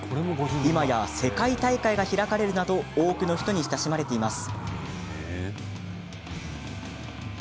今や世界大会が開かれるなど多くの人に親しまれているんです。